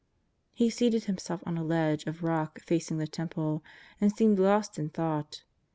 He seated Himself on a ledge of rock facing the Temple, and seemed lost in thought.